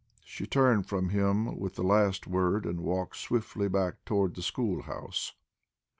She turned from him with the last word, and walked swiftly back toward the school house.